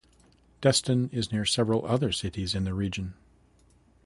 Destin is near several other cities in the region.